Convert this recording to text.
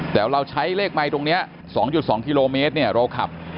แต่เราใช้เลขไมค์ตรงนี้๒๒กิโลเมตรเราขับ